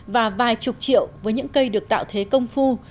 và vài chục triệu với những cây được tạo thế công phu